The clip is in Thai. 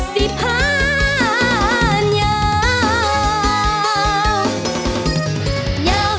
สิบพันยาว